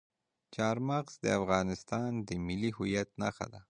چار مغز د افغانستان د ملي هویت نښه ده.